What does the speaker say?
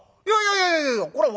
いやいやこりゃ